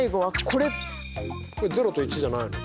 これ０と１じゃないの？